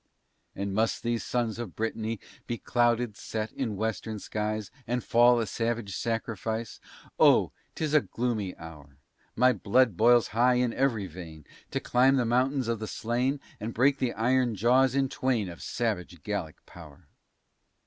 And must these sons of Brittany Be clouded, set in western skies, And fall a savage sacrifice? Oh! 'tis a gloomy hour! My blood boils high in every vein, To climb the mountains of the slain, And break the iron jaws in twain, Of savage Gallic power.